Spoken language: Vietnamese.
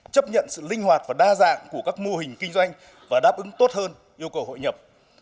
chấp nhận sự linh hoạt và đa dạng của các mô hình kinh doanh và đáp ứng tốt hơn yêu cầu hội nhập